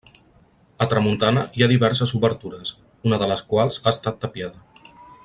A tramuntana hi ha diverses obertures, una de les quals ha estat tapiada.